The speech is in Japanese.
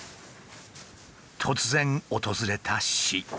突然訪れた死。